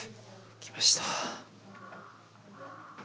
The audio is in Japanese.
来ましたね。